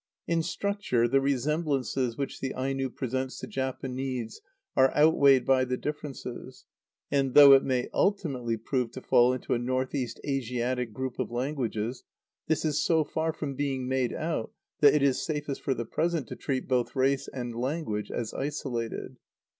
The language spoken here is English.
In structure the resemblances which the Aino presents to Japanese are outweighed by the differences; and, though it may ultimately prove to fall into a north east Asiatic group of languages, this is so far from being made out that it is safest for the present to treat both race and language as isolated.